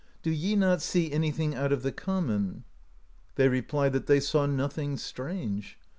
Do ye not see anything out of the common?" They replied that they saw nothing strange.